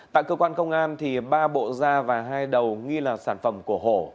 tại cơ quan công an ba bộ da và hai đầu nghi là sản phẩm của hổ